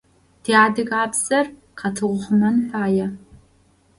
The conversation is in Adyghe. Ти адыгабзэр къэтыухъумэн фае